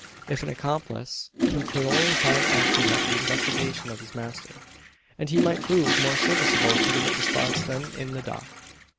If an accomplice, he could only have acted at the instigation of his master; and he might prove more serviceable in the witness box than in the dock.